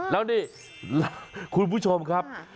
แล้วนี่คุณผู้ชมครับ